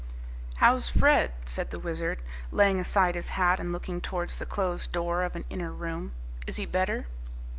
"How's Fred?" said the Wizard, laying aside his hat, and looking towards the closed door of an inner room. "Is he better?"